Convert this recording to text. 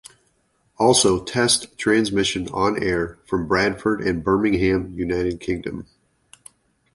Also Test Transmission on air from Bradford and Birmingham United Kingdom.